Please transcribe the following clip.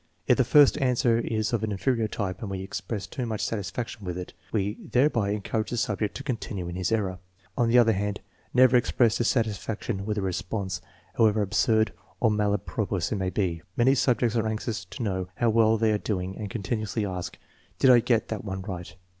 If the first answer is of an inferior type and we express too much satisfaction with it, we thereby encourage the subject to continue in his error. On the other hand, never express dissatisfaction with a response, however absurd or malapropos it may be. Many subjects are anxious to know how well they are doing and continually ask, " Did I get that one right